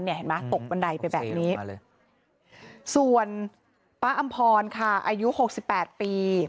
เห็นไหมตกบันไดไปแบบนี้ส่วนป้าอำพรค่ะอายุ๖๘ปี